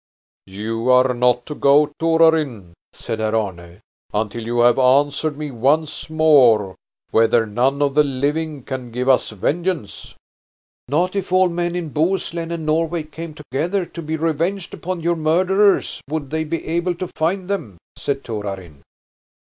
"You are not to go, Torarin," said Herr Arne, "until you have answered me once more whether none of the living can give us vengeance." "Not if all the men in Bohuslen and Norway came together to be revenged upon your murderers would they be able to find them," said Torarin.